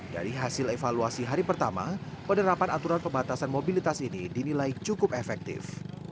dari hasil evaluasi hari pertama penerapan aturan pembatasan mobilitas ini dinilai cukup efektif